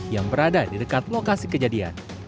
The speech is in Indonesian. yang berada di dekat lokasi kejadian